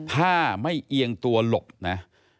ถ้าไม่เอียงตัวหลบนะ